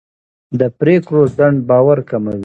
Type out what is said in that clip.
د پرېکړو ځنډ باور کموي